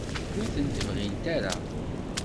Ur tent-bɣint ara?